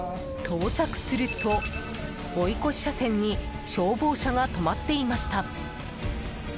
到着すると、追い越し車線に消防車が止まっていました。